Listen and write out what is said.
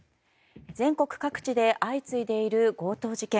全国各地で相次いでいる強盗事件。